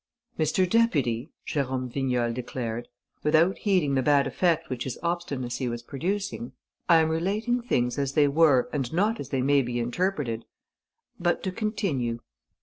"Mr. Deputy," Jérôme Vignal declared, without heeding the bad effect which his obstinacy was producing, "I am relating things as they were and not as they may be interpreted. But to continue.